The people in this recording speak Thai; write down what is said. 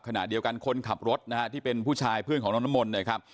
ขณะเดียวกันคนขับรถนะฮะที่เป็นผู้ชายเพื่อนของน้องน้ำมนต์นะครับ